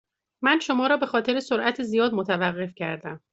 من شما را به خاطر سرعت زیاد متوقف کردم.